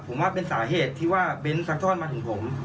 ผมว่าเป็นสาเหตุที่ว่าเบ้นซักทอดมาถึงผม